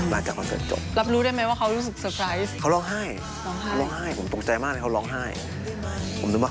พอมาถังแล้วบอกเขาเหนื่อย